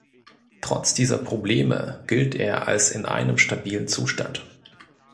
Trotz dieser Probleme gilt er als in einem stabilen Zustand.